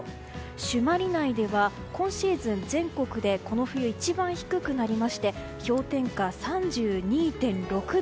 朱鞠内では今シーズン、全国でこの冬一番低くなりまして氷点下３２．６度。